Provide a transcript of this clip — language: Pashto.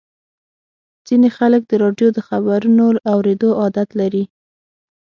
ځینې خلک د راډیو د خبرونو اورېدو عادت لري.